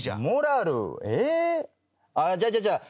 えっ？じゃあじゃあじゃあ。